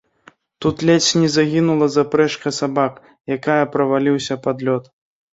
Тут ледзь не загінула запрэжка сабак, якая праваліўся пад лёд.